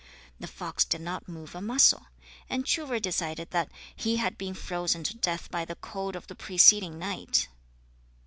The fox did not move a muscle, and Truvor decided that he had been frozen to death by the cold of the preceding night.